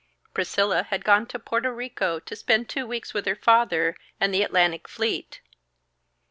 Priscilla had gone to Porto Rico to spend two weeks with her father and the Atlantic Fleet.